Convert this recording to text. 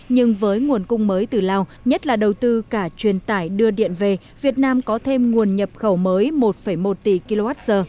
nhưng với nguồn cung mới từ lào nhất là đầu tư cả truyền tải đưa điện về việt nam có thêm nguồn nhập khẩu mới một một tỷ kwh